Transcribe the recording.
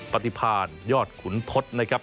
ปฏิพาณยอดขุนทศนะครับ